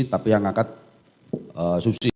tapi yang ngaket susi